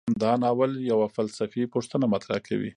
دا ناول یوه فلسفي پوښتنه مطرح کوي.